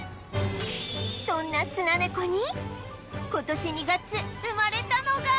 そんなスナネコに今年２月生まれたのが